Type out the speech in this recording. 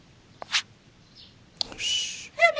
よし。